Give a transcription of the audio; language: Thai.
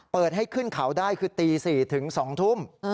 เปิดให้ขึ้นเขาได้คือตี๔ถึง๒ทุ่ม